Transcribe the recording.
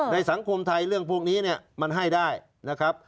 ในสังคมไทยเรื่องพวกนี้เนี่ยมันให้ได้นะครับ